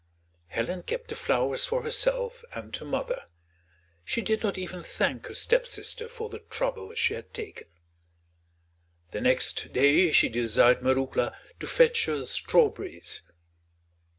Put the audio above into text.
Helen kept the flowers for herself and her mother; she did not even thank her stepsister for the trouble she had taken. The next day she desired Marouckla to fetch her strawberries.